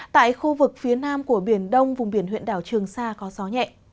tại khu vực phía nam của biển đông vùng biển huyện đảo trường sa có gió nhẹ